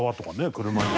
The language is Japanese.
車に。